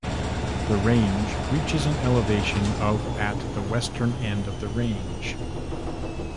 The range reaches an elevation of at the western end of the range.